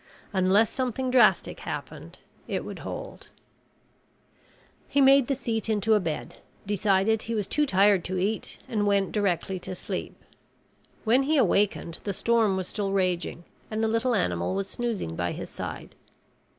Unless something drastic happened, it would hold. He made the seat into a bed, decided he was too tired to eat, and went directly to sleep. When he awakened, the storm was still raging and the little animal was snoozing by his side.